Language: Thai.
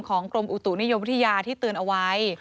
กรมอุตุนิยมวิทยาที่เตือนเอาไว้